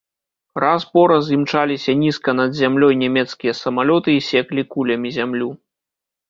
Раз-пораз імчаліся нізка над зямлёй нямецкія самалёты і секлі кулямі зямлю.